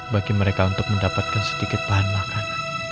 bagi mereka untuk mendapatkan sedikit bahan makanan